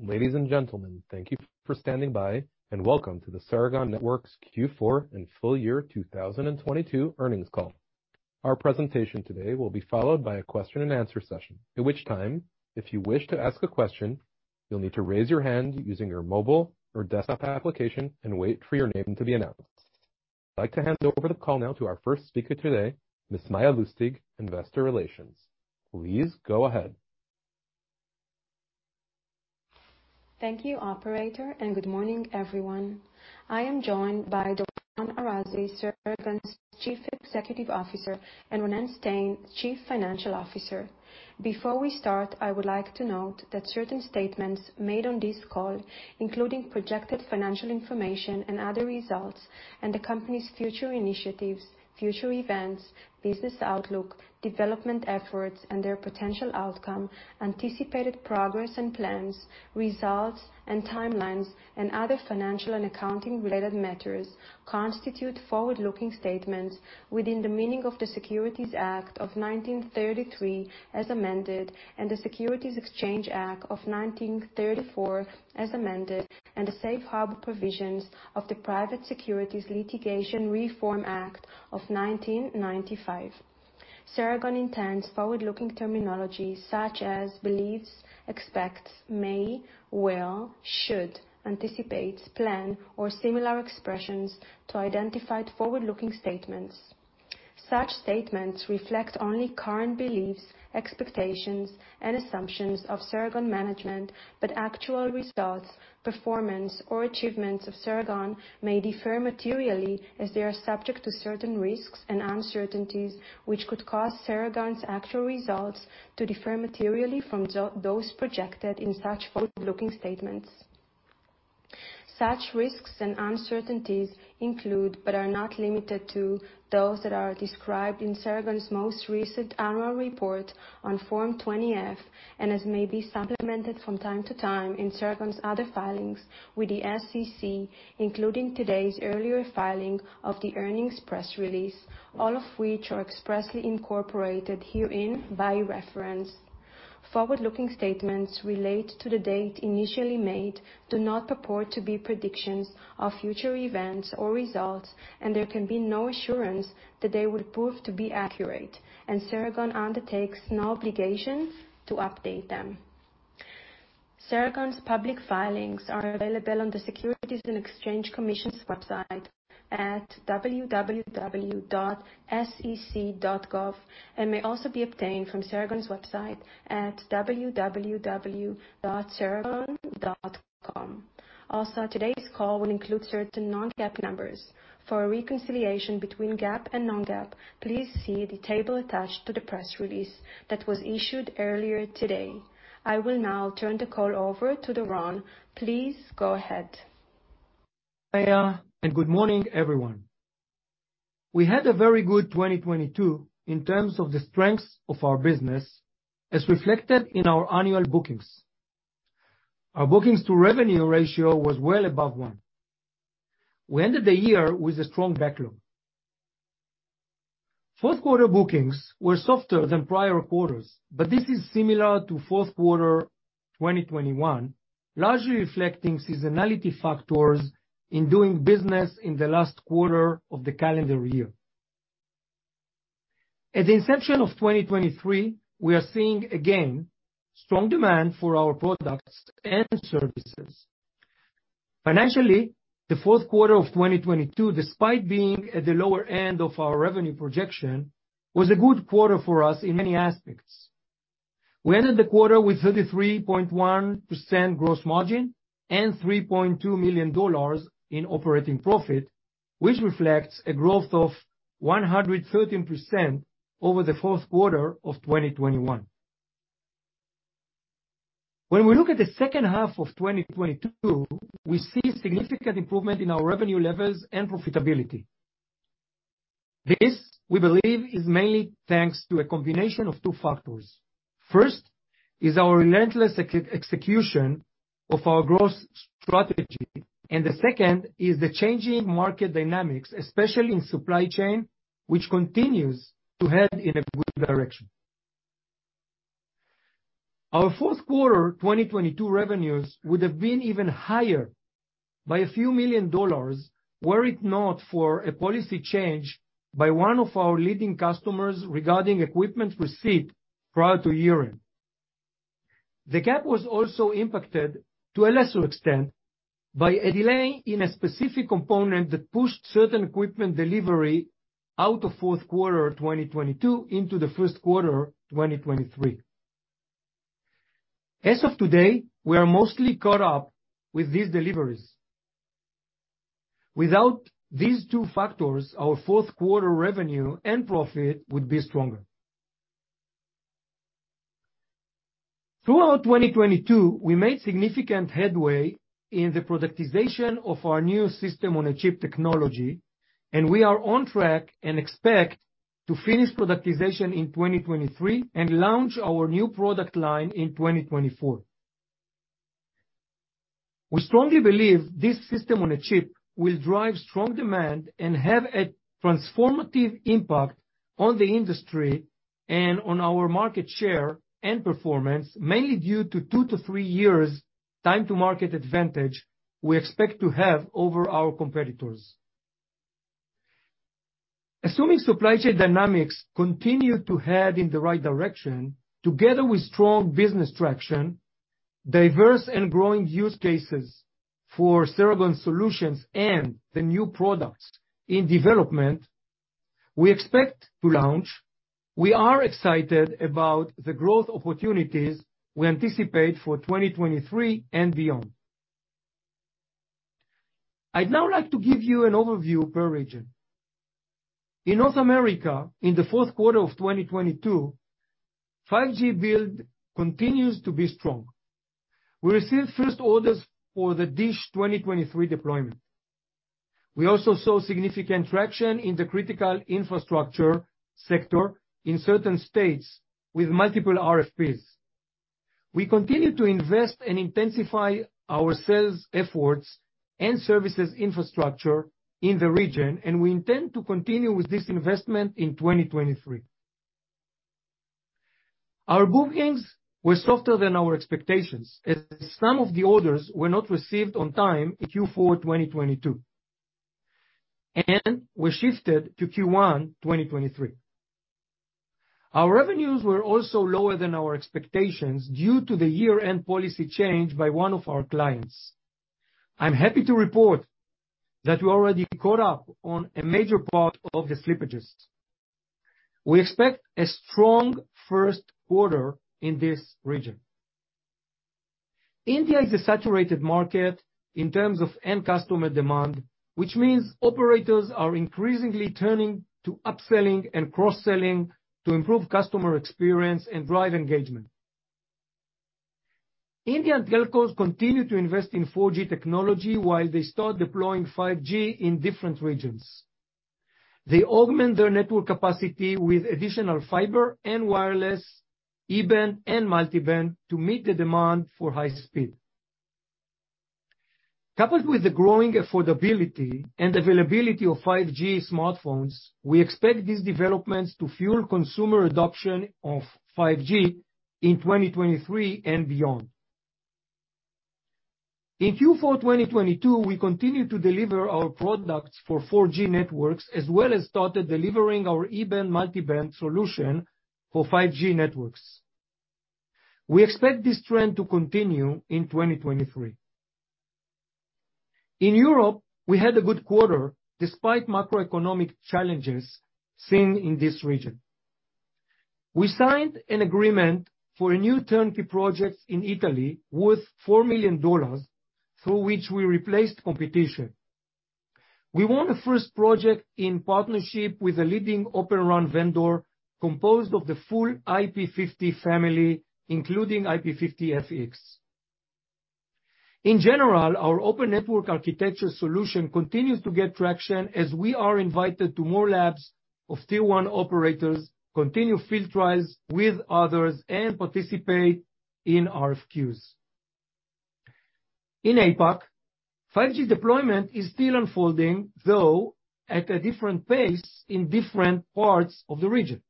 Ladies and gentlemen, thank you for standing by, welcome to the Ceragon Networks Q4 and Full Year 2022 Earnings Call. Our presentation today will be followed by a question and answer session. At which time, if you wish to ask a question, you'll need to raise your hand using your mobile or desktop application and wait for your name to be announced. I'd like to hand over the call now to our first speaker today, Miss Maya Lustig, Investor Relations. Please go ahead. Thank you, Operator, and good morning, everyone. I am joined by Doron Arazi, Ceragon's Chief Executive Officer, and Ronen Stein, Chief Financial Officer. Before we start, I would like to note that certain statements made on this call, including projected financial information and other results, and the company's future initiatives, future events, business outlook, development efforts and their potential outcome, anticipated progress and plans, results and timelines, and other financial and accounting-related matters, constitute forward-looking statements within the meaning of the Securities Act of 1933 as amended, and the Securities Exchange Act of 1934 as amended, and the safe harbor provisions of the Private Securities Litigation Reform Act of 1995. Ceragon intends forward-looking terminology such as believes, expects, may, will, should, anticipates, plan, or similar expressions to identify forward-looking statements. Such statements reflect only current beliefs, expectations, and assumptions of Ceragon management, but actual results, performance, or achievements of Ceragon may differ materially as they are subject to certain risks and uncertainties, which could cause Ceragon's actual results to differ materially from those projected in such forward-looking statements. Such risks and uncertainties include, but are not limited to, those that are described in Ceragon's most recent annual report on Form 20-F, and as may be supplemented from time to time in Ceragon's other filings with the SEC, including today's earlier filing of the earnings press release, all of which are expressly incorporated herein by reference. Forward-looking statements relate to the date initially made, do not purport to be predictions of future events or results, and there can be no assurance that they will prove to be accurate, and Ceragon undertakes no obligation to update them. Ceragon's public filings are available on the Securities and Exchange Commission's website at www.sec.gov, and may also be obtained from Ceragon's website at www.ceragon.com. Today's call will include certain non-GAAP numbers. For a reconciliation between GAAP and non-GAAP, please see the table attached to the press release that was issued earlier today. I will now turn the call over to Doron. Please go ahead. Maya. Good morning, everyone. We had a very good 2022 in terms of the strengths of our business, as reflected in our annual bookings. Our bookings to revenue ratio was well above one. We ended the year with a strong backlog. Fourth quarter bookings were softer than prior quarters. This is similar to Fourth quarter 2021, largely reflecting seasonality factors in doing business in the last quarter of the calendar year. At the inception of 2023, we are seeing again strong demand for our products and services. Financially, the Fourth quarter of 2022, despite being at the lower end of our revenue projection, was a good quarter for us in many aspects. We ended the quarter with 33.1% gross margin and $3.2 million in operating profit, which reflects a growth of 113% over the fourth quarter of 2021. When we look at the second half of 2022, we see significant improvement in our revenue levels and profitability. This, we believe, is mainly thanks to a combination of two factors. First is our relentless execution of our growth strategy, and the second is the changing market dynamics, especially in supply chain, which continues to head in a good direction. Our fourth quarter 2022 revenues would have been even higher by a few million dollars were it not for a policy change by one of our leading customers regarding equipment received prior to year-end. The GAAP was also impacted, to a lesser extent, by a delay in a specific component that pushed certain equipment delivery out of fourth quarter 2022 into the first quarter of 2023. As of today, we are mostly caught up with these deliveries. Without these two factors, our fourth quarter revenue and profit would be stronger. Throughout 2022, we made significant headway in the productization of our new system-on-a-chip technology, and we are on track and expect to finish productization in 2023 and launch our new product line in 2024. We strongly believe this system-on-a-chip will drive strong demand and have a transformative impact on the industry and on our market share and performance, mainly due to two to three years' time to market advantage we expect to have over our competitors. Assuming supply chain dynamics continue to head in the right direction together with strong business traction, diverse and growing use cases for Ceragon solutions and the new products in development we expect to launch, we are excited about the growth opportunities we anticipate for 2023 and beyond. I'd now like to give you an overview per region. In North America, in the fourth quarter of 2022, 5G build continues to be strong. We received first orders for the DISH 2023 deployment. We also saw significant traction in the critical infrastructure sector in certain states with multiple RFPs. We continue to invest and intensify our sales efforts and services infrastructure in the region, and we intend to continue with this investment in 2023. Our bookings were softer than our expectations as some of the orders were not received on time in Q4 2022 and were shifted to Q1 2023. Our revenues were also lower than our expectations due to the year-end policy change by one of our clients. I'm happy to report that we already caught up on a major part of the slippages. We expect a strong first quarter in this region. India is a saturated market in terms of end customer demand, which means operators are increasingly turning to upselling and cross-selling to improve customer experience and drive engagement. Indian telcos continue to invest in 4G technology while they start deploying 5G in different regions. They augment their network capacity with additional fiber and wireless E-band and Multiband to meet the demand for high speed. Coupled with the growing affordability and availability of 5G smartphones, we expect these developments to fuel consumer adoption of 5G in 2023 and beyond. In Q4 2022, we continued to deliver our products for 4G networks, as well as started delivering our E-band multiband solution for 5G networks. We expect this trend to continue in 2023. In Europe, we had a good quarter despite macroeconomic challenges seen in this region. We signed an agreement for a new turnkey project in Italy worth $4 million, through which we replaced competition. We won the first project in partnership with a leading Open RAN vendor composed of the full IP-50 family, including IP-50FX. In general, our open network architecture solution continues to get traction as we are invited to more labs of Tier 1 operators, continue field trials with others, and participate in RFQs. In APAC, 5G deployment is still unfolding, though at a different pace in different parts of the region.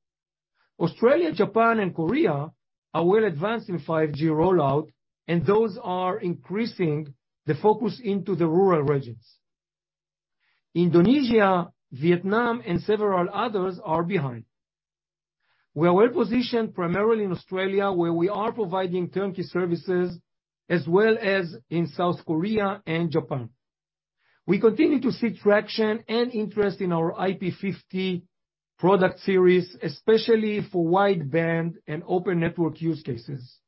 Australia, Japan and Korea are well advanced in 5G rollout, and those are increasing the focus into the rural regions. Indonesia, Vietnam, and several others are behind. We are well positioned primarily in Australia, where we are providing turnkey services, as well as in South Korea and Japan. We continue to see traction and interest in our IP-50 product series, especially for wideband and open network use cases.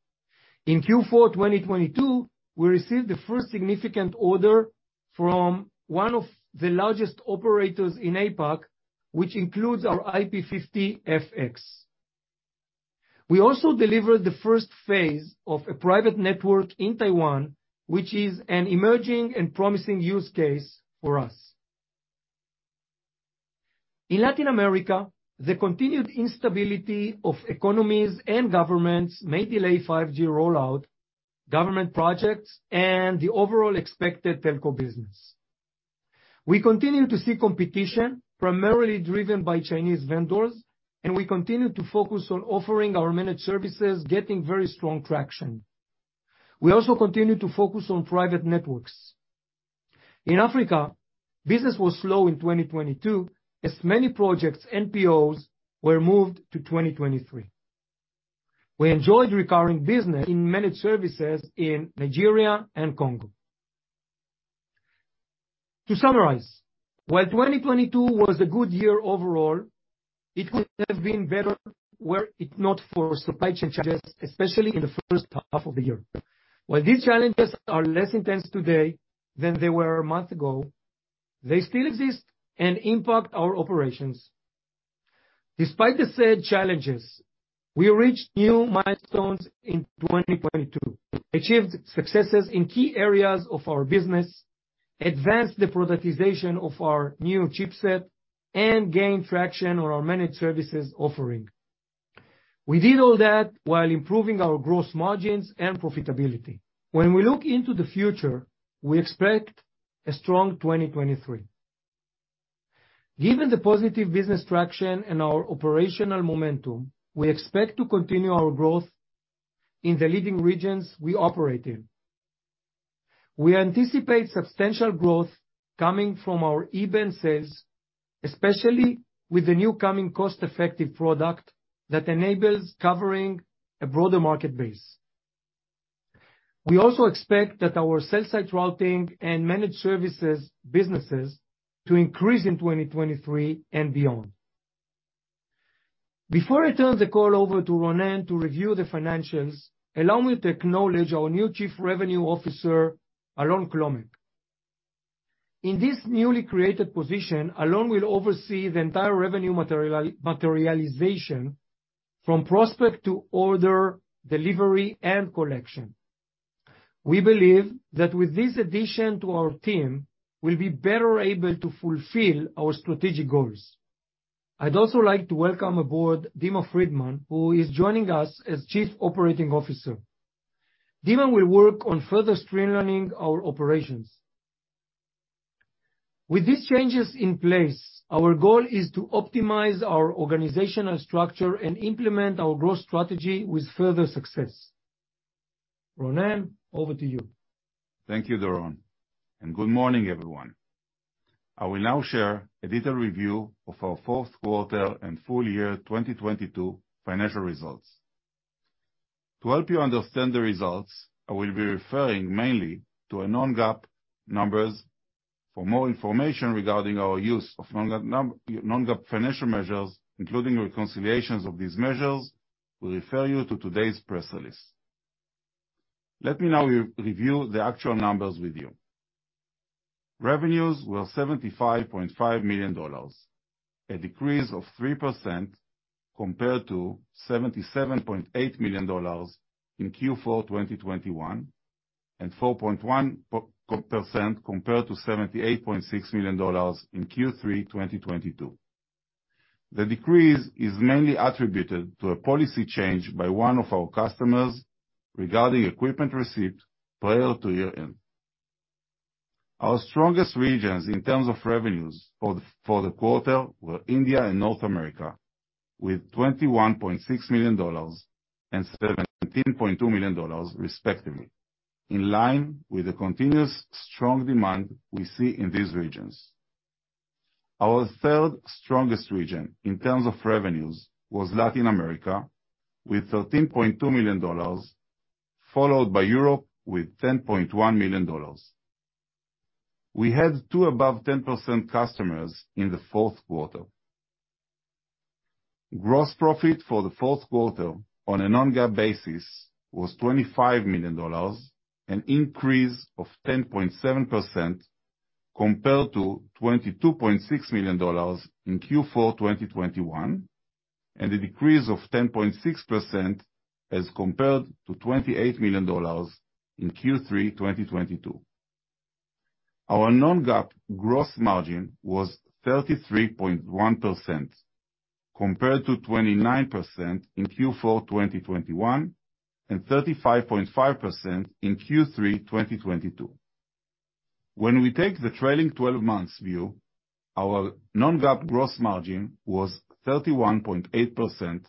In Q4 2022, we received the first significant order from one of the largest operators in APAC, which includes our IP-50FX. We also delivered the first phase of a private network in Taiwan, which is an emerging and promising use case for us. In Latin America, the continued instability of economies and governments may delay 5G rollout, government projects, and the overall expected telco business. We continue to see competition primarily driven by Chinese vendors. We continue to focus on offering our managed services, getting very strong traction. We also continue to focus on private networks. In Africa, business was slow in 2022 as many projects, NPOs were moved to 2023. We enjoyed recurring business in managed services in Nigeria and Congo. To summarize, while 2022 was a good year overall, it could have been better were it not for supply chain challenges, especially in the first half of the year. While these challenges are less intense today than they were a month ago, they still exist and impact our operations. Despite the said challenges, we reached new milestones in 2022, achieved successes in key areas of our business, advanced the productization of our new chipset, and gained traction on our managed services offering. We did all that while improving our gross margins and profitability. We expect a strong 2023. Given the positive business traction and our operational momentum, we expect to continue our growth in the leading regions we operate in. We anticipate substantial growth coming from our E-band sales, especially with the new coming cost-effective product that enables covering a broader market base. We also expect that our cell site routing and managed services businesses to increase in 2023 and beyond. Before I turn the call over to Ronen to review the financials, allow me to acknowledge our new Chief Revenue Officer, Alon Klomek. In this newly created position, Alon will oversee the entire revenue materialization from prospect to order, delivery, and collection. We believe that with this addition to our team, we'll be better able to fulfill our strategic goals. I'd also like to welcome aboard Dima Friedman, who is joining us as Chief Operating Officer. Dima will work on further streamlining our operations. With these changes in place, our goal is to optimize our organizational structure and implement our growth strategy with further success. Ronen, over to you. Thank you, Doron, and good morning, everyone. I will now share a detailed review of our fourth quarter and full year 2022 financial results. To help you understand the results, I will be referring mainly to a non-GAAP numbers. For more information regarding our use of non-GAAP financial measures, including reconciliations of these measures, we refer you to today's press release. Let me now re-review the actual numbers with you. Revenues were $75.5 million, a decrease of 3% compared to $77.8 million in Q4 2021, and 4.1% compared to $78.6 million in Q3 2022. The decrease is mainly attributed to a policy change by one of our customers regarding equipment received prior to year-end. Our strongest regions in terms of revenues for the quarter were India and North America, with $21.6 million and $17.2 million, respectively. In line with the continuous strong demand we see in these regions. Our third-strongest region in terms of revenues was Latin America with $13.2 million, followed by Europe with $10.1 million. We had 2 above 10% customers in the fourth quarter. Gross profit for the fourth quarter on a non-GAAP basis was $25 million, an increase of 10.7% compared to $22.6 million in Q4 2021, and a decrease of 10.6% as compared to $28 million in Q3 2022. Our non-GAAP gross margin was 33.1% compared to 29% in Q4 2021, and 35.5% in Q3 2022. When we take the trailing twelve months view, our non-GAAP gross margin was 31.8%,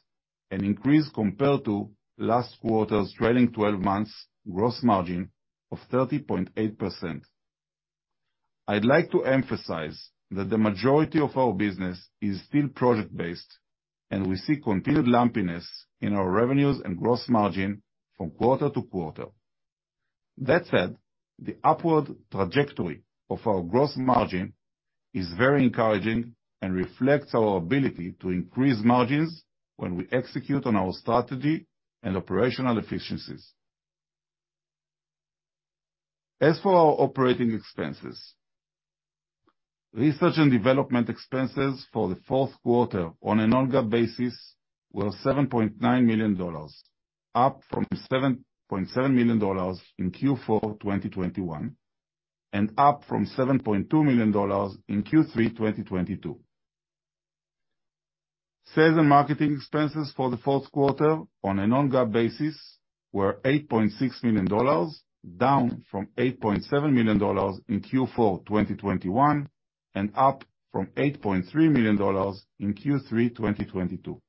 an increase compared to last quarter's trailing twelve months gross margin of 30.8%. I'd like to emphasize that the majority of our business is still project-based, and we see continued lumpiness in our revenues and gross margin from quarter to quarter. That said, the upward trajectory of our gross margin is very encouraging and reflects our ability to increase margins when we execute on our strategy and operational efficiencies. As for our operating expenses, research and development expenses for the fourth quarter on a non-GAAP basis were $7.9 million, up from $7.7 million in Q4 2021, and up from $7.2 million in Q3 2022. Sales and marketing expenses for the fourth quarter on a non-GAAP basis were $8.6 million, down from $8.7 million in Q4 2021, and up from $8.3 million in Q3 2022.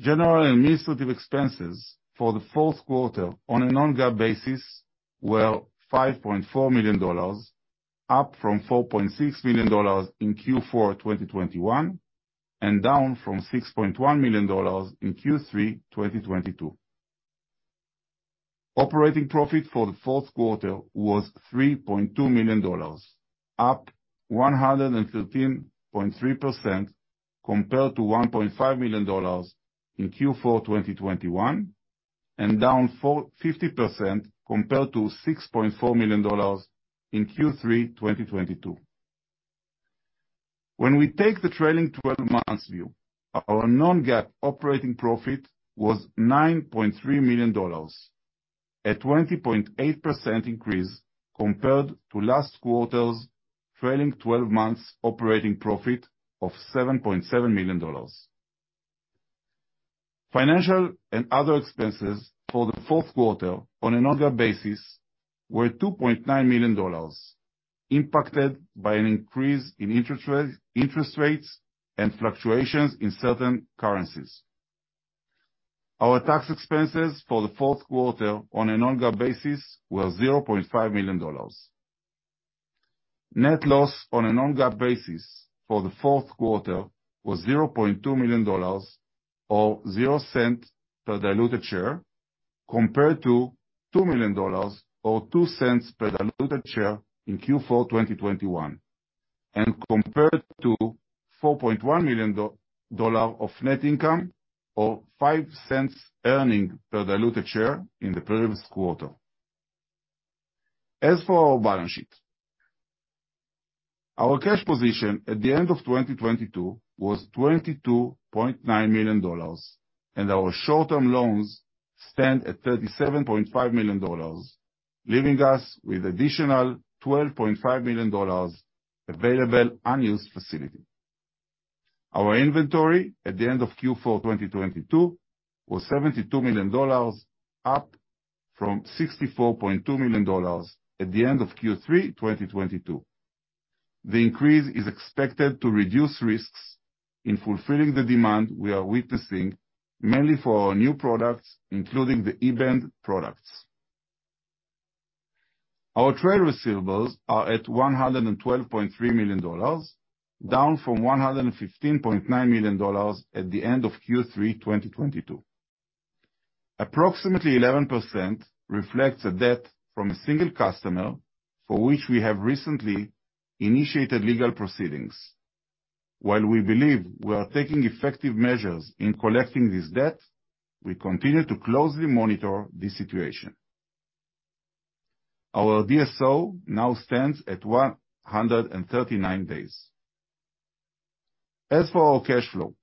General and administrative expenses for the fourth quarter on a non-GAAP basis were $5.4 million, up from $4.6 million in Q4 2021, and down from $6.1 million in Q3 2022. Operating profit for the fourth quarter was $3.2 million, up 113.3% compared to $1.5 million in Q4 2021, down 50% compared to $6.4 million in Q3 2022. When we take the trailing 12 months view, our non-GAAP operating profit was $9.3 million. A 20.8% increase compared to last quarter's trailing 12 months operating profit of $7.7 million. Financial and other expenses for the fourth quarter on a non-GAAP basis were $2.9 million, impacted by an increase in interest rates and fluctuations in certain currencies. Our tax expenses for the fourth quarter on a non-GAAP basis were $0.5 million. Net loss on a non-GAAP basis for the fourth quarter was $0.2 million or $0.00 per diluted share, compared to $2 million or $0.02 per diluted share in Q4 2021, compared to $4.1 million of net income or $0.05 earning per diluted share in the previous quarter. As for our balance sheet, our cash position at the end of 2022 was $22.9 million, and our short-term loans stand at $37.5 million, leaving us with additional $12.5 million available unused facility. Our inventory at the end of Q4 2022 was $72 million, up from $64.2 million at the end of Q3 2022. The increase is expected to reduce risks in fulfilling the demand we are witnessing mainly for our new products, including the E-band products. Our trade receivables are at $112.3 million, down from $115.9 million at the end of Q3, 2022. Approximately 11% reflects a debt from a single customer, for which we have recently initiated legal proceedings. While we believe we are taking effective measures in collecting this debt, we continue to closely monitor the situation. Our DSO now stands at 139 days. As for our cash flow,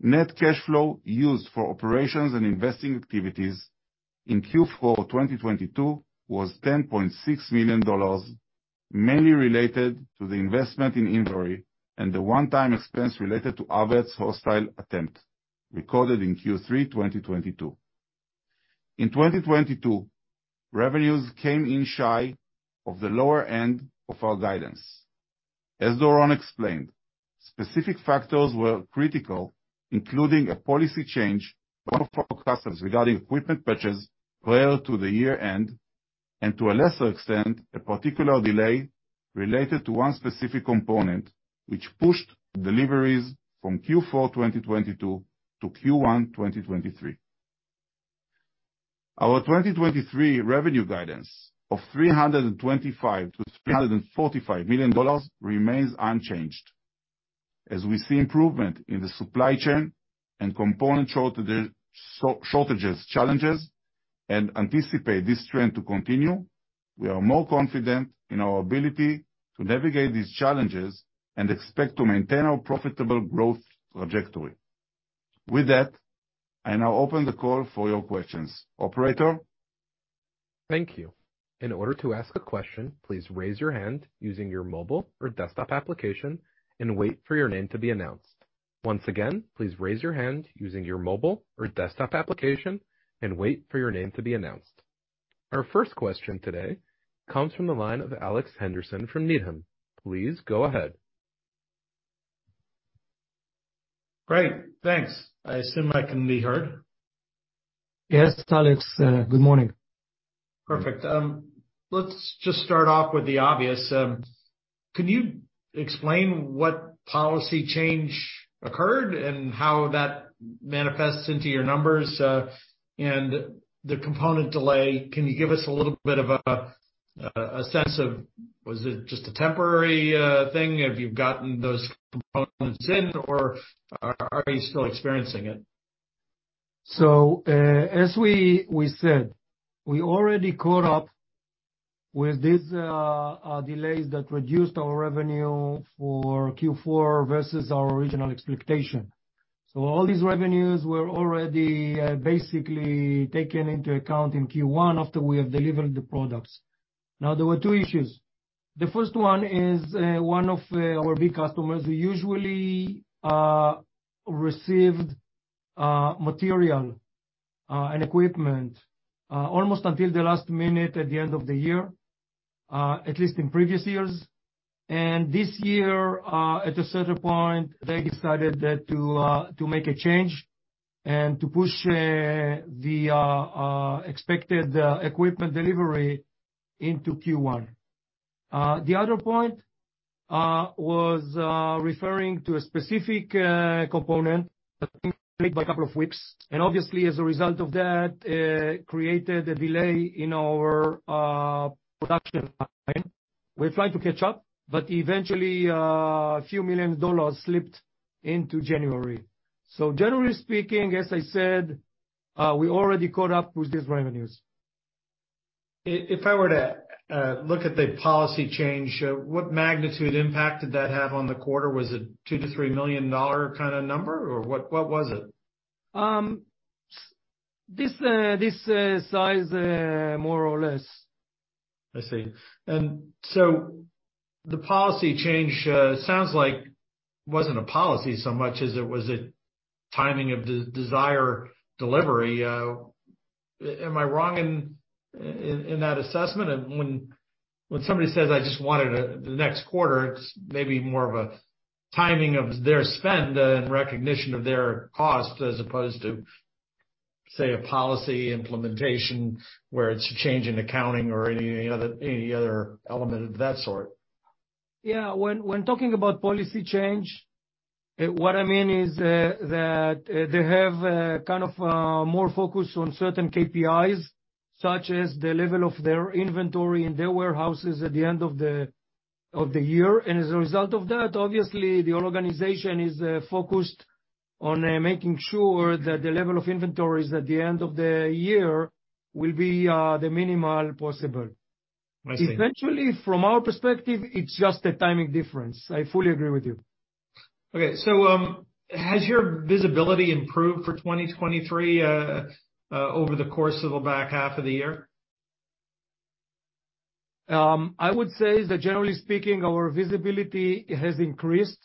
net cash flow used for operations and investing activities in Q4, 2022 was $10.6 million, mainly related to the investment in Siklu and the one-time expense related to Aviat's hostile attempt recorded in Q3, 2022. In 2022, revenues came in shy of the lower end of our guidance. As Doron explained, specific factors were critical, including a policy change of one of our customers regarding equipment purchase prior to the year-end, and to a lesser extent, a particular delay related to one specific component which pushed deliveries from Q4 2022 to Q1 2023. Our 2023 revenue guidance of $325 million-$345 million remains unchanged. We see improvement in the supply chain and component shortages challenges and anticipate this trend to continue, we are more confident in our ability to navigate these challenges and expect to maintain our profitable growth trajectory. I now open the call for your questions. Operator? Thank you. In order to ask a question, please raise your hand using your mobile or desktop application and wait for your name to be announced. Once again, please raise your hand using your mobile or desktop application and wait for your name to be announced. Our first question today comes from the line of Alex Henderson from Needham. Please go ahead. Great. Thanks. I assume I can be heard. Yes, Alex. Good morning. Perfect. Let's just start off with the obvious. Can you explain what policy change occurred and how that manifests into your numbers? The component delay, can you give us a little bit of a sense of was it just a temporary thing? Have you gotten those components in, or are you still experiencing it? As we said, we already caught up with these delays that reduced our revenue for Q4 versus our original expectation. All these revenues were already basically taken into account in Q1 after we have delivered the products. Now, there were two issues. The first one is one of our big customers usually received material and equipment almost until the last minute at the end of the year, at least in previous years. This year, at a certain point, they decided that to make a change and to push the expected equipment delivery into Q1. The other point was referring to a specific component that was delayed by a couple of weeks, and obviously, as a result of that, created a delay in our production line. We tried to catch up, but eventually, a few million dollars slipped into January. Generally speaking, as I said, we already caught up with these revenues. If I were to look at the policy change, what magnitude impact did that have on the quarter? Was it $2 million-$3 million kind of number, or what was it? This, this, size, more or less. I see. The policy change sounds like wasn't a policy so much as it was a timing of desire delivery. Am I wrong in that assessment? When somebody says, "I just wanted the next quarter," it's maybe more of a timing of their spend and recognition of their cost as opposed to, say, a policy implementation where it's a change in accounting or any other element of that sort. Yeah. When talking about policy change, what I mean is, that they have, kind of, more focus on certain KPIs, such as the level of their inventory in their warehouses at the end of the year. As a result of that, obviously, the whole organization is focused on making sure that the level of inventories at the end of the year will be the minimal possible. I see. Eventually, from our perspective, it's just a timing difference. I fully agree with you. Has your visibility improved for 2023 over the course of the back half of the year? I would say that generally speaking, our visibility has increased.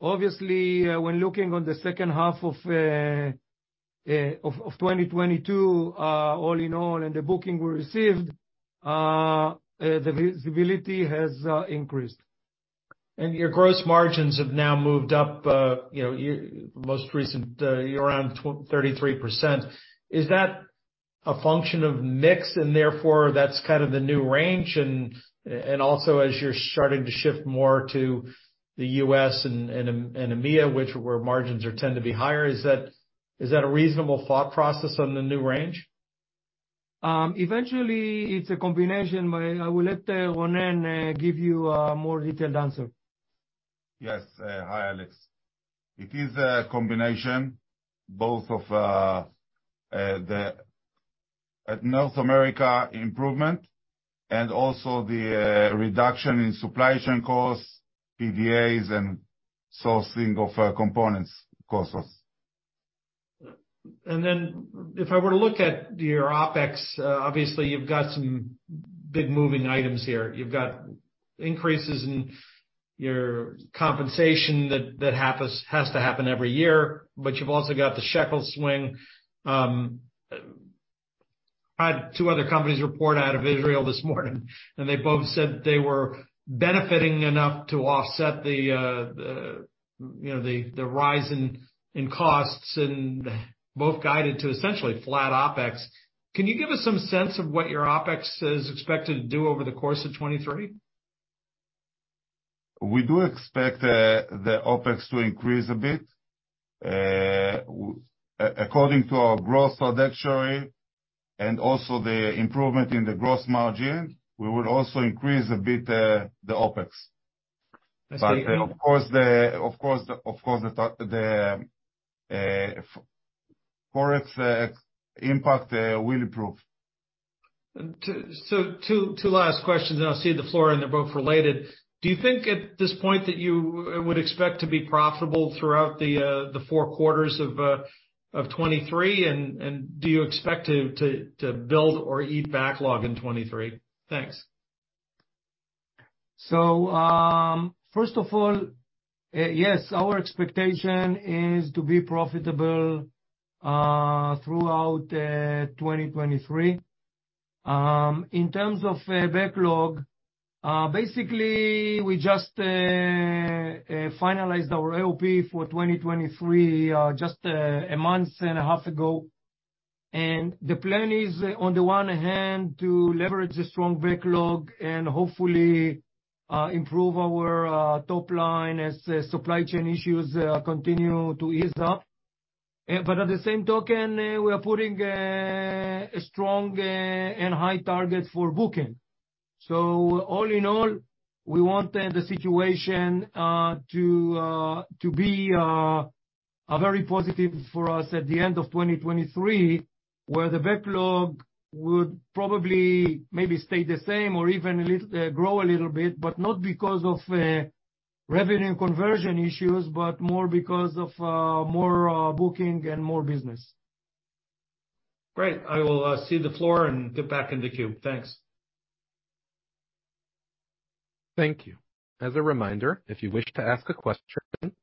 Obviously, when looking on the second half of 2022, all in all, and the booking we received, the visibility has increased. Your gross margins have now moved up, you know, most recent, around 33%. Is that a function of mix, and therefore that's kind of the new range and also as you're starting to shift more to the U.S. and EMEA, which where margins are tend to be higher, is that a reasonable thought process on the new range? Eventually, it's a combination, but I will let Ronen give you a more detailed answer. Yes. Hi, Alex. It is a combination both of the North America improvement and also the reduction in supply chain costs, PBAs, and sourcing of components costs. If I were to look at your OpEx, obviously, you've got some big moving items here. You've got increases in your compensation that has to happen every year, but you've also got the shekel swing. I had two other companies report out of Israel this morning, and they both said they were benefiting enough to offset the, you know, the rise in costs and both guided to essentially flat OpEx. Can you give us some sense of what your OpEx is expected to do over the course of 2023? We do expect the OpEx to increase a bit, according to our growth trajectory and also the improvement in the gross margin. We will also increase a bit, the OpEx. I see. Of course the Forex impact will improve. Two last questions, and I'll cede the floor, and they're both related. Do you think at this point that you would expect to be profitable throughout the four quarters of 2023? Do you expect to build or eat backlog in 2023? Thanks. First of all, yes, our expectation is to be profitable throughout 2023. In terms of backlog, basically, we just finalized our LP for 2023 just a month and a half ago. The plan is, on the one hand, to leverage the strong backlog and hopefully, improve our top line as supply chain issues continue to ease up. At the same token, we are putting a strong and high target for booking. All in all, we want the situation to be very positive for us at the end of 2023, where the backlog would probably maybe stay the same or even grow a little bit, but not because of revenue conversion issues, but more because of more booking and more business. Great. I will cede the floor and get back in the queue. Thanks. Thank you. As a reminder, if you wish to ask a question,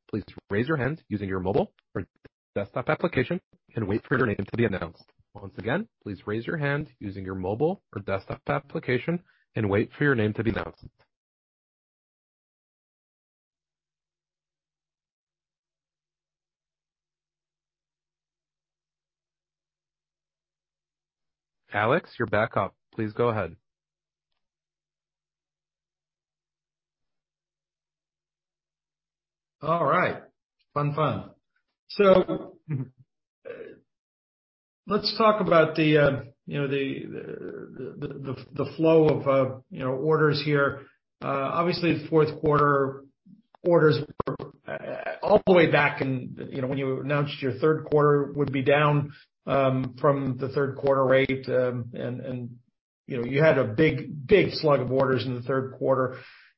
please raise your hand using your mobile or desktop application and wait for your name to be announced. Once again, please raise your hand using your mobile or desktop application and wait for your name to be announced. Alex, you're back up. Please go ahead. All right. Fun, fun. Let's talk about the, you know, the flow of, you know, orders here. Obviously, fourth quarter-Orders were all the way back in, you know, when you announced your third quarter would be down, from the third quarter rate, and, you know, you had a big slug of orders in the third quarter.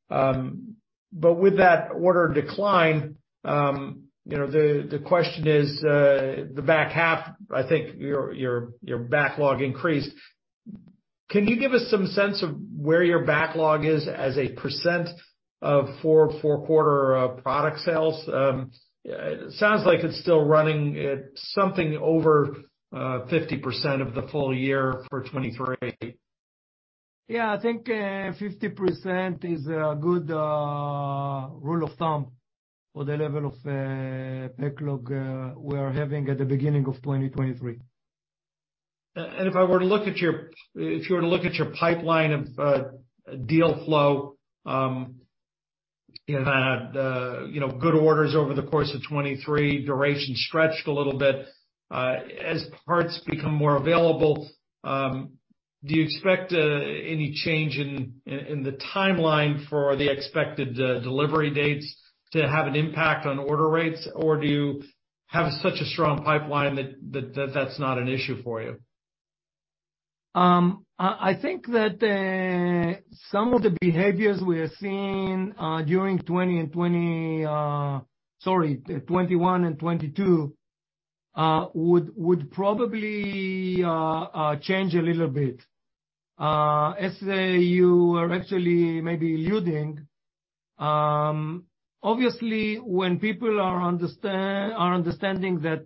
With that order decline, you know, the question is, the back half, I think your backlog increased. Can you give us some sense of where your backlog is as a percent of four quarter, product sales? It sounds like it's still running at something over, 50% of the full year for 2023. I think, 50% is a good, rule of thumb for the level of, backlog, we are having at the beginning of 2023. If I were to look at your pipeline of deal flow, you had, you know, good orders over the course of 23, duration stretched a little bit. As parts become more available, do you expect any change in the timeline for the expected delivery dates to have an impact on order rates? Do you have such a strong pipeline that's not an issue for you? I think that some of the behaviors we are seeing during 2021 and 2022 would probably change a little bit. As you are actually maybe alluding, obviously, when people are understanding that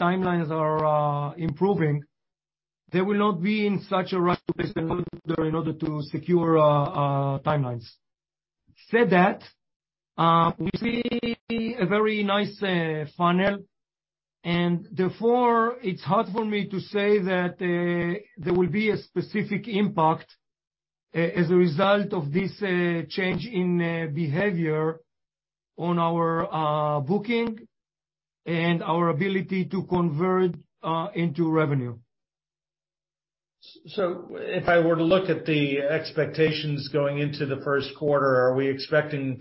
timelines are improving, they will not be in such a rush in order to secure timelines. Said that, we see a very nice funnel, and therefore, it's hard for me to say that there will be a specific impact as a result of this change in behavior on our booking and our ability to convert into revenue. If I were to look at the expectations going into the first quarter, are we expecting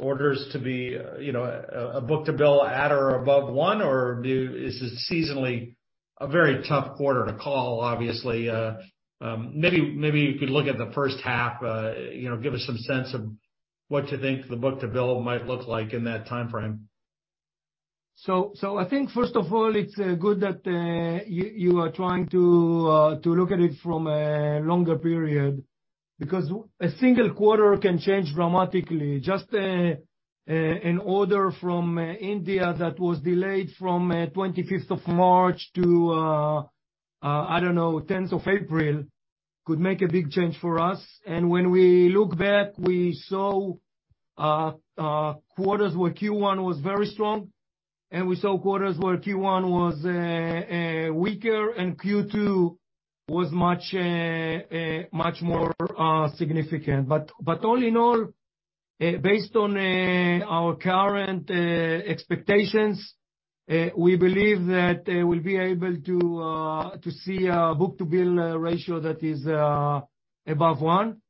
orders to be, you know, a book to bill at or above one? Is this seasonally a very tough quarter to call, obviously? Maybe you could look at the first half, you know, give us some sense of what you think the book to bill might look like in that timeframe. I think, first of all, it's good that you are trying to look at it from a longer period, because a single quarter can change dramatically. Just an order from India that was delayed from 25th of March to I don't know, 10th of April, could make a big change for us. When we look back, we saw quarters where Q1 was very strong, and we saw quarters where Q1 was weaker and Q2 was much more significant. All in all, based on our current expectations, we believe that we'll be able to see a book to bill ratio that is above one.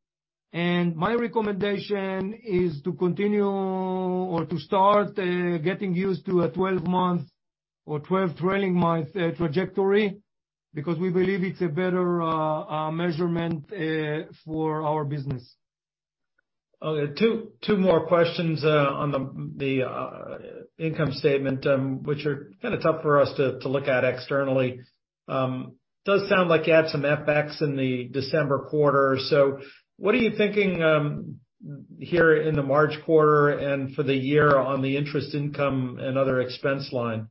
My recommendation is to continue or to start getting used to a 12-month or 12 trailing month trajectory, because we believe it's a better measurement for our business. Okay, two more questions on the income statement, which are kind of tough for us to look at externally. Does sound like you had some FX in the December quarter. What are you thinking here in the March quarter and for the year on the interest income and other expense line?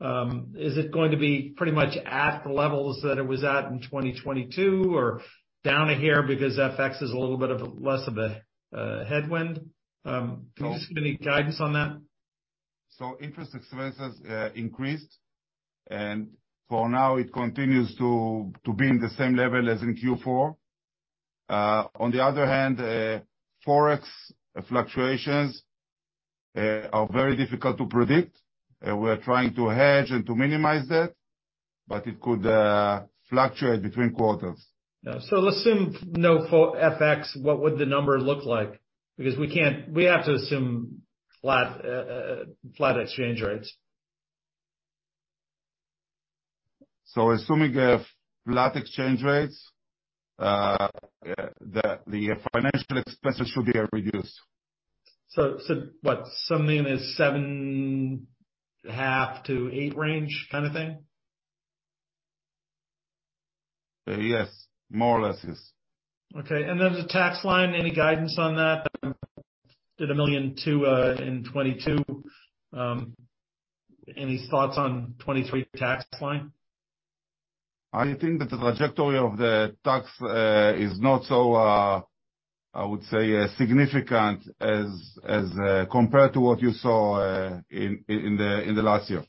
Is it going to be pretty much at the levels that it was at in 2022 or down a hair because FX is a little bit of a less of a headwind? Can you just give any guidance on that? Interest expenses increased, and for now it continues to be in the same level as in Q4. On the other hand, Forex fluctuations are very difficult to predict. We are trying to hedge and to minimize that, but it could fluctuate between quarters. Let's assume no FX, what would the number look like? We have to assume flat exchange rates. Assuming flat exchange rates, the financial expenses should be reduced. What? Something is seven, half to eight range kind of thing? Yes, more or less, yes. Okay. The tax line, any guidance on that? Did $1.2 million in 2022. Any thoughts on 2023 tax line? I think that the trajectory of the tax is not so, I would say, significant as, compared to what you saw, in the, in the last year.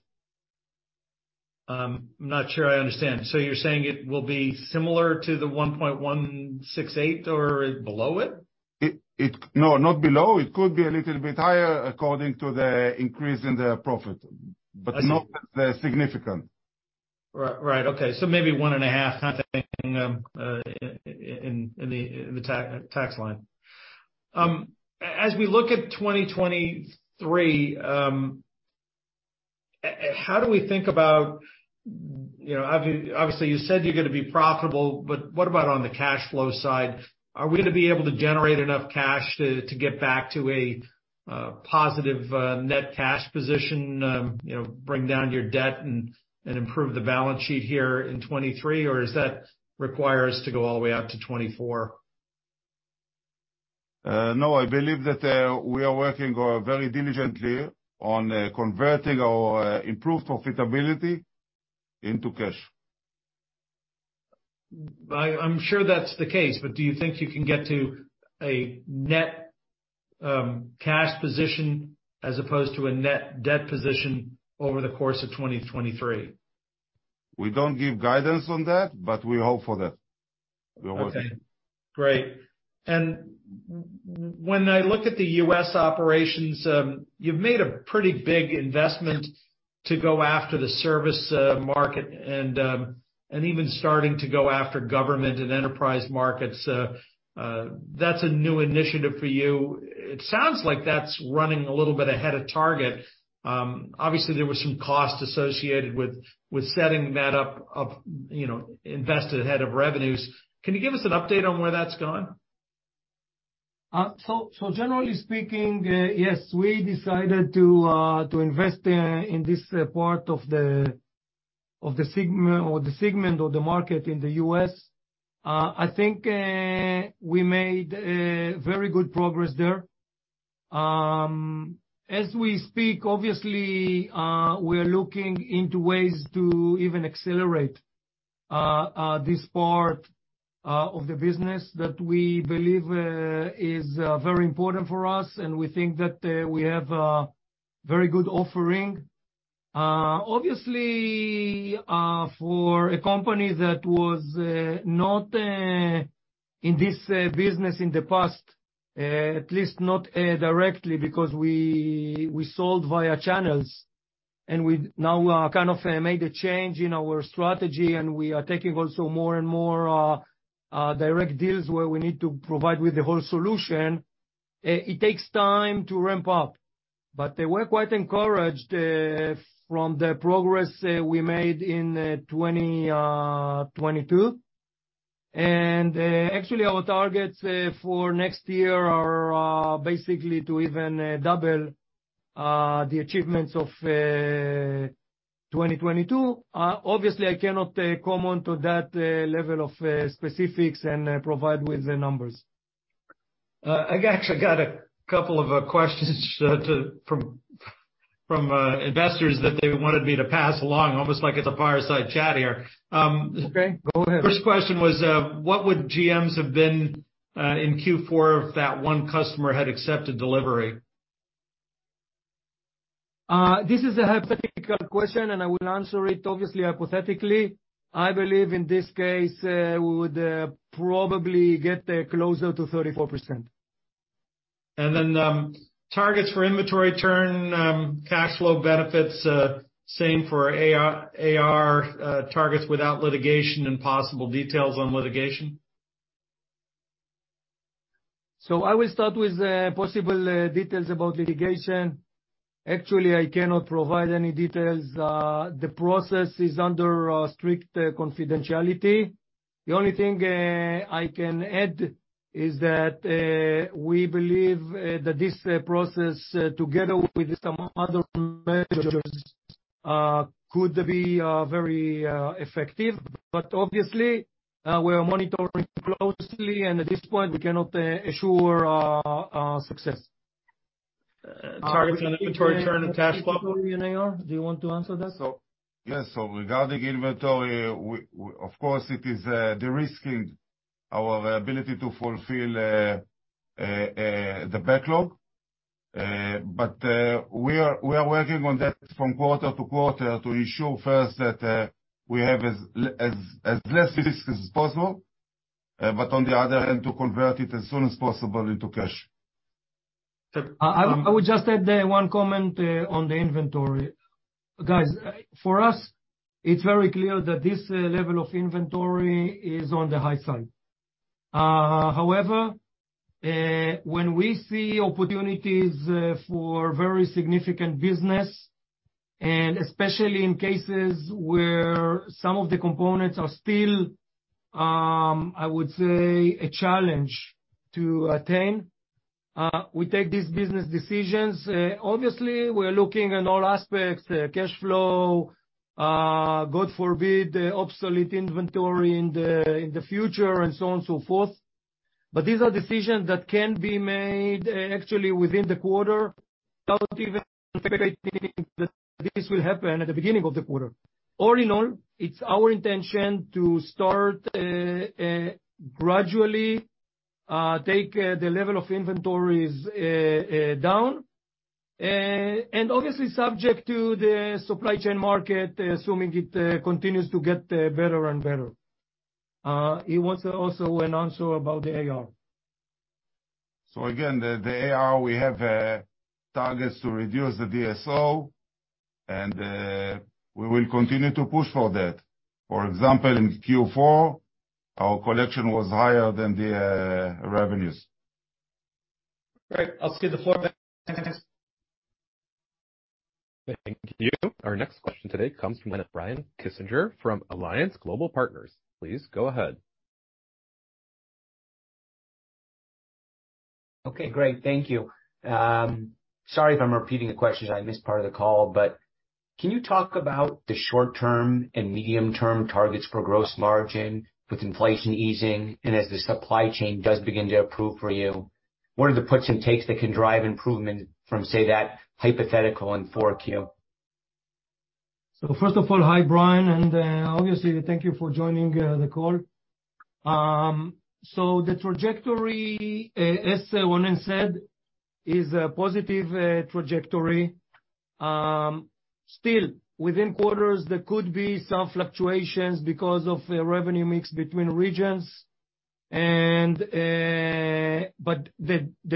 I'm not sure I understand. You're saying it will be similar to the 1.168 or below it? No, not below. It could be a little bit higher according to the increase in the profit, but not that significant. Right. Okay. Maybe one and a half, I think, in the tax line. As we look at 2023, how do we think about, you know, obviously, you said you're gonna be profitable, but what about on the cash flow side? Are we gonna be able to generate enough cash to get back to a positive net cash position, you know, bring down your debt and improve the balance sheet here in 2023? Does that require us to go all the way out to 2024? No, I believe that we are working very diligently on converting our improved profitability into cash. I'm sure that's the case, but do you think you can get to a net cash position as opposed to a net debt position over the course of 2023? We don't give guidance on that, but we hope for that. We are working. Okay. Great. When I look at the U.S. operations, you've made a pretty big investment to go after the service market and even starting to go after government and enterprise markets. That's a new initiative for you. It sounds like that's running a little bit ahead of target. Obviously, there were some costs associated with setting that up, you know, invested ahead of revenues. Can you give us an update on where that's gone? Generally speaking, yes, we decided to invest in this part of the segment, or the segment of the market in the U.S. I think we made very good progress there. As we speak, obviously, we are looking into ways to even accelerate this part of the business that we believe is very important for us, and we think that we have a very good offering. Obviously, for a company that was not in this business in the past, at least not directly because we sold via channels, and we now kind of made a change in our strategy, and we are taking also more and more direct deals where we need to provide with the whole solution. It takes time to ramp up, but we're quite encouraged from the progress we made in 2022. Actually, our targets for next year are basically to even double the achievements of 2022. Obviously, I cannot comment to that level of specifics and provide with the numbers. I actually got a couple of questions from investors that they wanted me to pass along, almost like it's a fireside chat here. Okay, go ahead. First question was, what would GMs have been, in Q4 if that one customer had accepted delivery? This is a hypothetical question, and I will answer it obviously, hypothetically. I believe in this case, we would probably get closer to 34%. Targets for inventory turn, cash flow benefits, same for AR, targets without litigation and possible details on litigation. I will start with, possible, details about litigation. Actually, I cannot provide any details. The process is under, strict confidentiality. The only thing, I can add is that, we believe, that this process, together with some other measures, could be, very, effective. Obviously, we are monitoring closely, and at this point, we cannot, assure, success. Targets on inventory turn and cash flow. Do you want to answer that? Yes. Regarding inventory, of course, it is de-risking our ability to fulfill the backlog. We are working on that from quarter to quarter to ensure first that we have as less risk as possible, but on the other hand, to convert it as soon as possible into cash. I would just add one comment on the inventory. Guys, for us, it's very clear that this level of inventory is on the high side. However, when we see opportunities for very significant business, and especially in cases where some of the components are still, I would say, a challenge to attain, we take these business decisions. Obviously, we are looking on all aspects, cash flow, God forbid, obsolete inventory in the future, and so on and so forth. These are decisions that can be made actually within the quarter, without even expecting that this will happen at the beginning of the quarter. All in all, it's our intention to start gradually take the level of inventories down and obviously subject to the supply chain market, assuming it continues to get better and better. You want to also an answer about the AR? Again, the AR, we have targets to reduce the DSO, and we will continue to push for that. For example, in Q4, our collection was higher than the revenues. Great. I'll just give the floor back, thanks. Thank you. Our next question today comes from the line of Brian Kinstlinger from Alliance Global Partners. Please go ahead. Okay, great. Thank you. Sorry if I'm repeating the questions, I missed part of the call. Can you talk about the short-term and medium-term targets for gross margin with inflation easing, and as the supply chain does begin to improve for you, what are the puts and takes that can drive improvement from, say, that hypothetical in 4Q? First of all, hi, Brian, and obviously thank you for joining the call. The trajectory, as Ronen said, is a positive trajectory. Still, within quarters, there could be some fluctuations because of a revenue mix between regions. The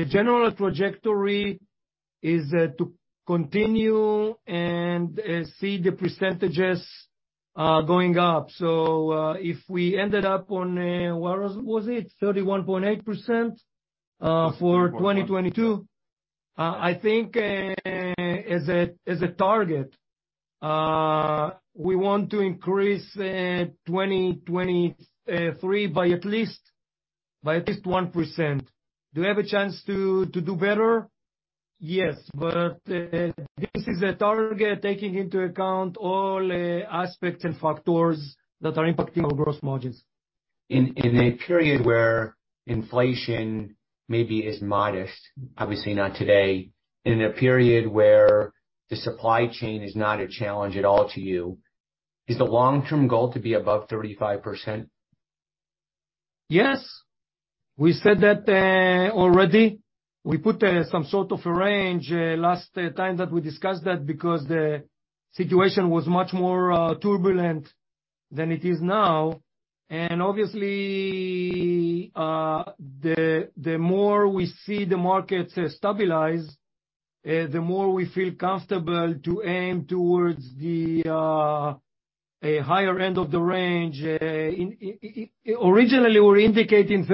general trajectory is to continue and see the % going up. If we ended up on, what was it, 31.8% for 2022? I think, as a target, we want to increase 2023 by at least 1%. Do we have a chance to do better? Yes. This is a target taking into account all aspects and factors that are impacting our gross margins. In a period where inflation maybe is modest, obviously not today, in a period where the supply chain is not a challenge at all to you, is the long-term goal to be above 35%? Yes. We said that already. We put some sort of a range last time that we discussed that because the situation was much more turbulent than it is now. Obviously, the more we see the markets stabilize, the more we feel comfortable to aim towards the higher end of the range. Originally, we're indicating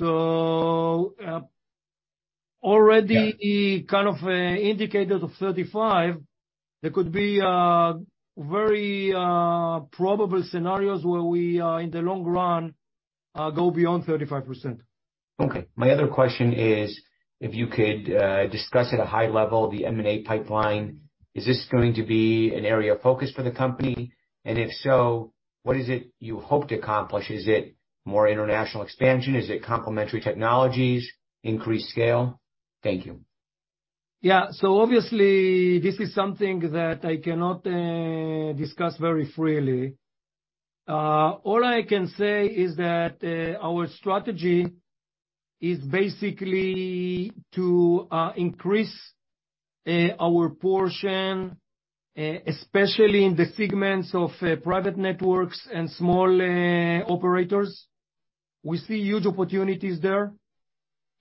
$34-$36. Yeah. kind of, indicators of 35, there could be, very, probable scenarios where we are, in the long run, go beyond 35%. Okay. My other question is if you could discuss at a high level the M&A pipeline. Is this going to be an area of focus for the company? If so, what is it you hope to accomplish? Is it more international expansion? Is it complementary technologies, increased scale? Thank you. Yeah. Obviously this is something that I cannot discuss very freely. All I can say is that our strategy is basically to increase our portion, especially in the segments of private networks and small operators. We see huge opportunities there.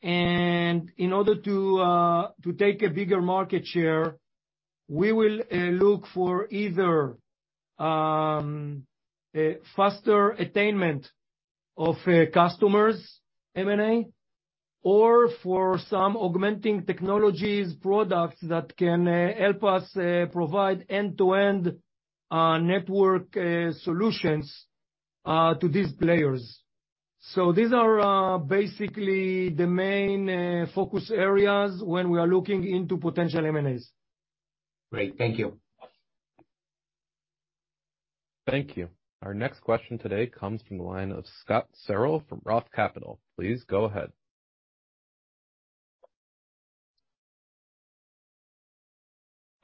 In order to take a bigger market share, we will look for either faster attainment of customers, M&A, or for some augmenting technologies products that can help us provide end-to-end network solutions to these players. These are basically the main focus areas when we are looking into potential M&As. Great. Thank you. Thank you. Our next question today comes from the line of Scott Searle from Roth Capital. Please go ahead.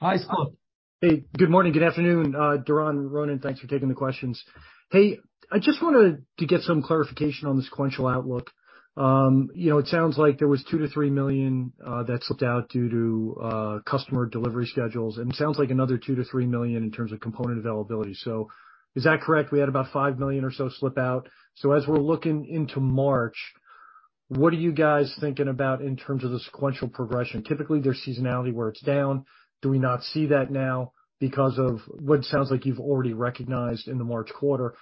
Hi, Scott. Hey. Good morning. Good afternoon, Doron, Ronen. Thanks for taking the questions. Hey, I just wanted to get some clarification on the sequential outlook. You know, it sounds like there was $2 million-$3 million that slipped out due to customer delivery schedules, and it sounds like another $2 million-$3 million in terms of component availability. Is that correct? We had about $5 million or so slip out. As we're looking into March, what are you guys thinking about in terms of the sequential progression? Typically, there's seasonality where it's down. Do we not see that now because of what sounds like you've already recognized in the March quarter?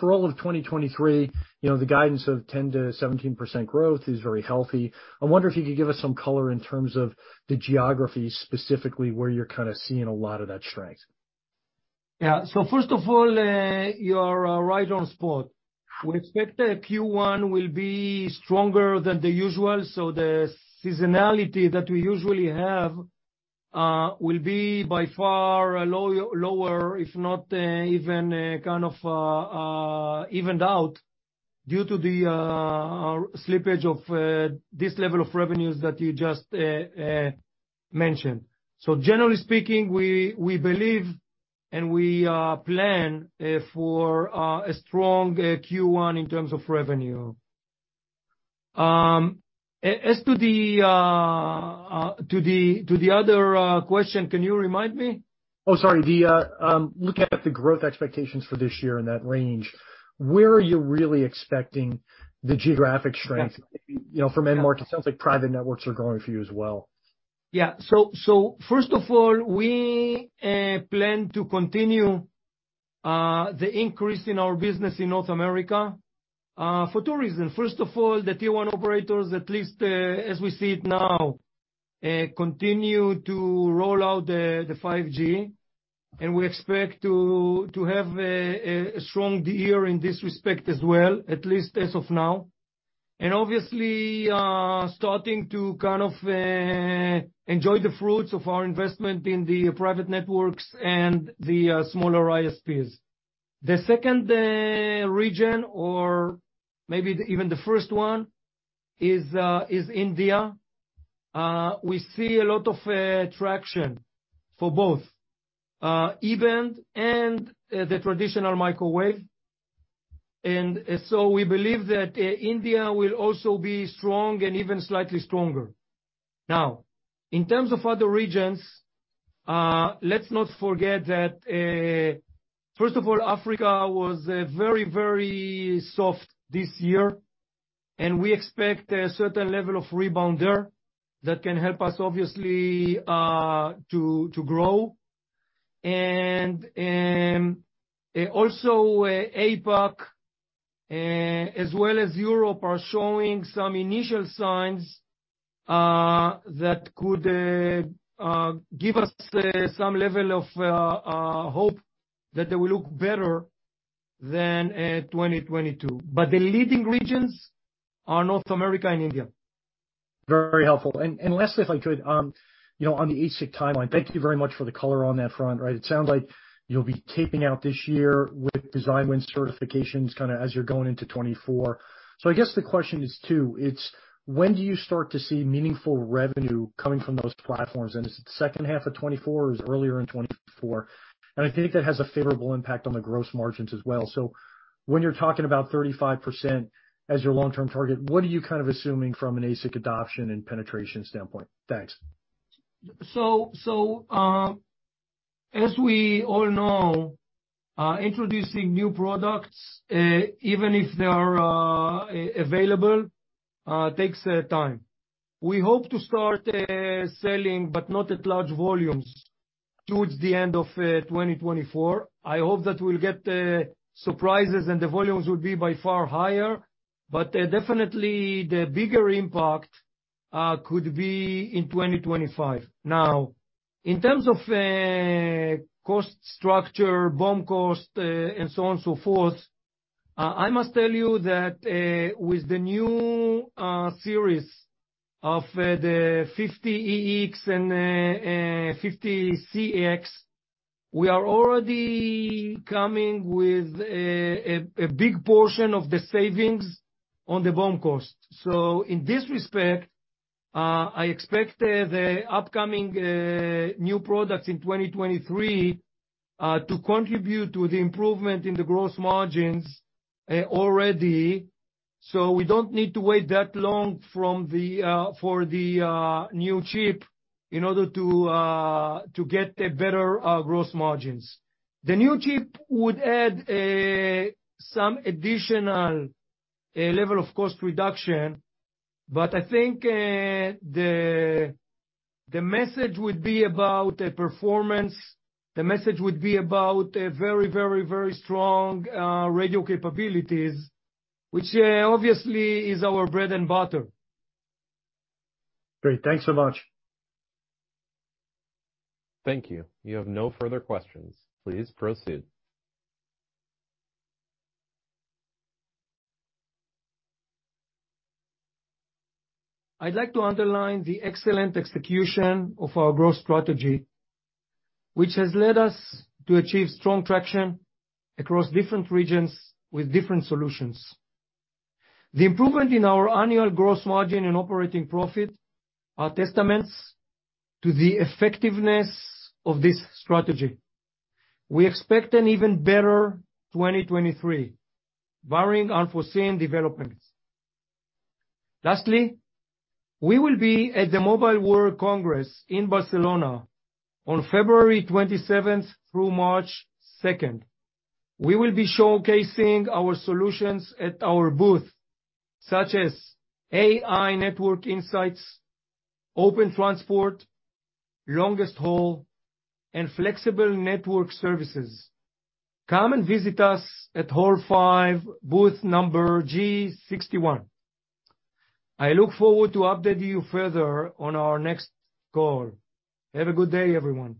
For all of 2023, you know, the guidance of 10%-17% growth is very healthy. I wonder if you could give us some color in terms of the geography, specifically where you're kinda seeing a lot of that strength? Yeah. First of all, you are right on spot. We expect the Q1 will be stronger than the usual. The seasonality that we usually have will be by far lower, if not even kind of evened out due to the slippage of this level of revenues that you just mentioned. Generally speaking, we believe and we plan for a strong Q1 in terms of revenue. As to the other question, can you remind me? Oh, sorry. The looking at the growth expectations for this year in that range, where are you really expecting the geographic strength, you know, from end market? It sounds like private networks are growing for you as well. First of all, we plan to continue the increase in our business in North America for two reasons. First of all, the Tier 1 operators, at least as we see it now, continue to roll out the 5G, and we expect to have a strong year in this respect as well, at least as of now. Obviously, starting to kind of enjoy the fruits of our investment in the private networks and the smaller ISPs. The second region or maybe even the first one is India. We see a lot of traction for both E-band and the traditional microwave. We believe that India will also be strong and even slightly stronger. Now, in terms of other regions, let's not forget that, first of all, Africa was very, very soft this year, and we expect a certain level of rebounder that can help us obviously, to grow. Also, APAC, as well as Europe, are showing some initial signs that could give us some level of hope that they will look better than 2022. The leading regions are North America and India. Very helpful. Lastly, if I could, you know, on the ASIC timeline. Thank you very much for the color on that front, right. It sounds like you'll be taping out this year with design win certifications kind a, as you're going into 2024. I guess the question is two. When do you start to see meaningful revenue coming from those platforms? Is it second half of 2024 or is it earlier in 2024? I think that has a favorable impact on the gross margins as well. When you're talking about 35% as your long-term target, what are you kind of assuming from an ASIC adoption and penetration standpoint? Thanks. As we all know, introducing new products, even if they are available, takes time. We hope to start selling, but not at large volumes, towards the end of 2024. I hope that we'll get surprises and the volumes would be by far higher, definitely the bigger impact could be in 2025. In terms of cost structure, BOM cost, and so on and so forth, I must tell you that with the new series of the 50EX and 50CX, we are already coming with a big portion of the savings on the BOM cost. In this respect, I expect the upcoming new products in 2023 to contribute to the improvement in the gross margins already. We don't need to wait that long from the for the new chip in order to to get better gross margins. The new chip would add some additional level of cost reduction, but I think the message would be about performance. The message would be about a very, very, very strong radio capabilities, which obviously is our bread and butter. Great. Thanks so much. Thank you. You have no further questions. Please proceed. I'd like to underline the excellent execution of our growth strategy, which has led us to achieve strong traction across different regions with different solutions. The improvement in our annual gross margin and operating profit are testaments to the effectiveness of this strategy. We expect an even better 2023, barring unforeseen developments. Lastly, we will be at the Mobile World Congress in Barcelona on February 27th through March 2nd. We will be showcasing our solutions at our booth, such as AI Network Insights, OPEN transport, Longest Haul, and Flexible Network Services. Come and visit us at hall five, booth number G61. I look forward to updating you further on our next call. Have a good day, everyone.